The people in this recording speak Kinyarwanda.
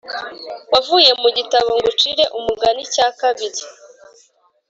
wavuye mu gitabo Ngucire Umugani cya kabiri